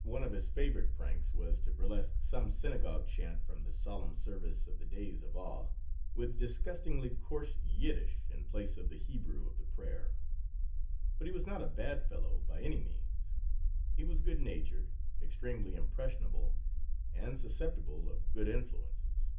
One of his favorite pranks was to burlesque some synagogue chant from the solemn service of the Days of Awe, with disgustingly coarse Yiddish in place of the Hebrew of the prayer. But he was not a bad fellow, by any means. He was good natured, extremely impressionable, and susceptible of good influences.